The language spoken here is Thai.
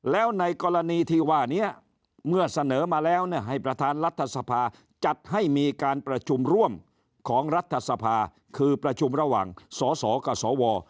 แล้วในกรณีที่ว่านี้เมื่อเสนอมาแล้วให้ประธานรัฐสภาจัดให้มีการประชุมร่วมของรัฐสภาคือประชุมระหว่างสสกับสว